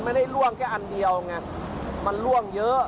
ล่วงแค่อันเดียวไงมันล่วงเยอะ